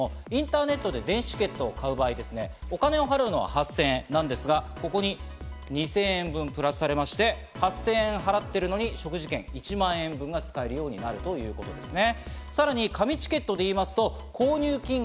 電子チケットと紙チケットあるんですけど、インターネットで電子チケットを買う場合、お金を払うのは８０００円なんですが、ここに２０００円分プラスされまして、８０００円払っているのに食事券１万円分が使えるようになるということなんですね。